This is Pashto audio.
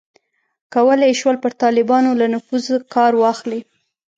کولای یې شول پر طالبانو له نفوذه کار واخلي.